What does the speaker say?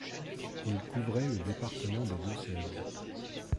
Il couvrait le département des Deux-Sèvres.